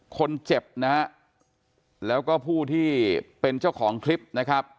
คนเจ็บนะฮะแล้วก็ผู้ที่เป็นเจ้าของคลิปนะครับ